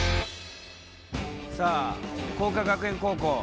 さあ晃華学園高校